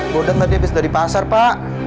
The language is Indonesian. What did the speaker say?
bodeng tadi habis dari pasar pak